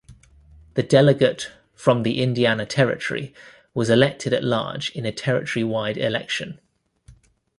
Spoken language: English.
The delegate from the Indiana Territory was elected at large in a territory-wide election.